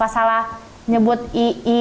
kayak suka salah nyebut i latin gitu kan